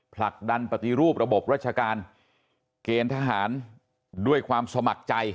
ผลักดันปฏิรูประบบราชการเกณฑ์ทหารด้วยความสมัครใจ